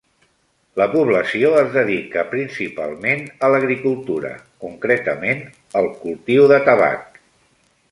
La població es dedica principalment a l'agricultura, concretament el cultiu de tabac.